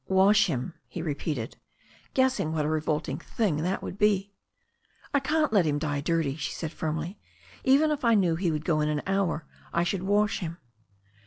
'Wash him," he repeated, guessing what a revolting thing that would be. I "I can't let him die dirty," she said firmly. "Even if I knew he would go in an hour I should wash him."